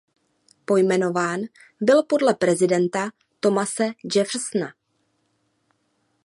Pojmenován byl podle prezidenta Thomase Jeffersona.